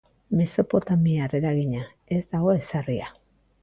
Mesopotamiar eragina, ez dago ezarria.